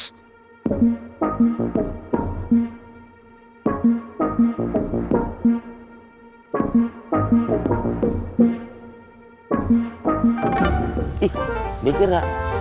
ih beker gak